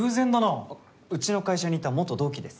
あっうちの会社にいた元同期です。